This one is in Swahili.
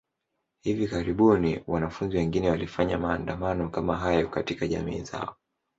Hivi karibuni, wanafunzi wengine walifanya maandamano kama hayo katika jamii zao.